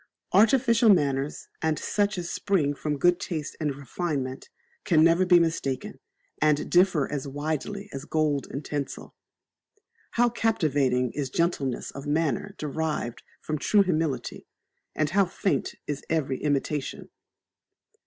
Artificial manners, and such as spring from good taste and refinement, can never be mistaken, and differ as widely as gold and tinsel. How captivating is gentleness of manner derived from true humility, and how faint is every imitation!